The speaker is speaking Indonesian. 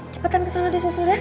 cepetan kesana disusul ya